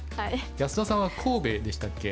安田さんは神戸でしたっけ。